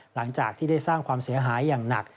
หลังจากที่ได้สร้างความเสียหายอย่างหนัก